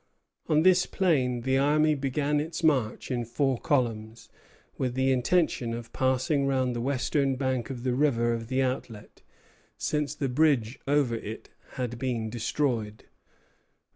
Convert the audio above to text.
On this plain the army began its march in four columns, with the intention of passing round the western bank of the river of the outlet, since the bridge over it had been destroyed.